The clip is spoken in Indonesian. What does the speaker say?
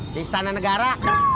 di istana negara